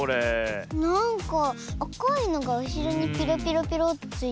なんかあかいのがうしろにキラキラキラってついてる。